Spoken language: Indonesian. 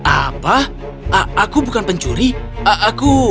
apa aku bukan pencuri aku